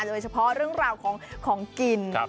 โดยเฉพาะเรื่องราวของของกิน